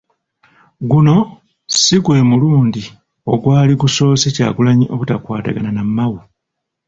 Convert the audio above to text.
Guno si gwe mulundi ogwali gusoose Kyagulanyi obutakwatagana na Mao.